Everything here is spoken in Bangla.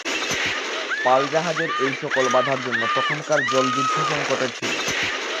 পাল-জাহাজের এই সকল বাধার জন্য তখনকার জল-যুদ্ধ সঙ্কটের ছিল।